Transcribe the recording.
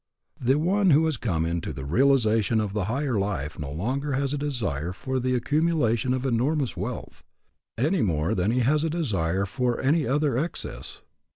The one who has come into the realization of the higher life no longer has a desire for the accumulation of enormous wealth, any more than he has a desire for any other excess.